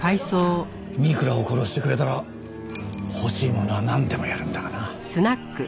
三倉を殺してくれたら欲しいものはなんでもやるんだがな。